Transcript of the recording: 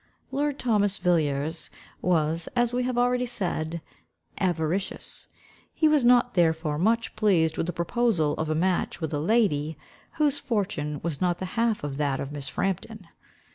Lord Thomas Villiers was, as we have already said, avaricious. He was not therefore much pleased with the proposal of a match with a lady, whose fortune was not the half of that of Miss Frampton.